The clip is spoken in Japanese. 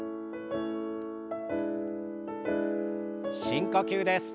深呼吸です。